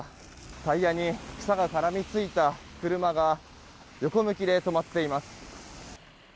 タイヤに草が絡みついた車が横向きで止まっています。